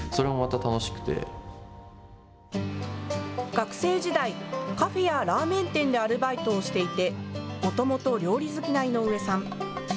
学生時代、カフェやラーメン店でアルバイトをしていてもともと料理好きな井上さん。